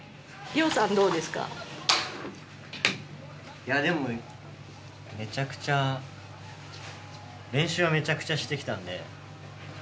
いや、でも、めちゃくちゃ、練習はめちゃくちゃしてきたんで。